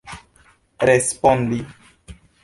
respondi